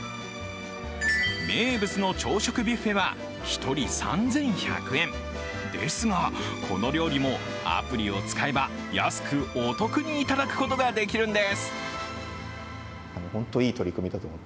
名物の朝食ビュッフェは１人３１００円ですがこの料理もアプリを使えば安くお得にいただくことができるんです。